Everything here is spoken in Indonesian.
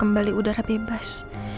kembali udara bebas